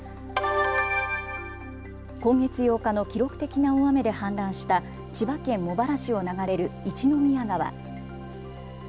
今月８日の記録的な大雨で氾濫した千葉県茂原市を流れる一宮川。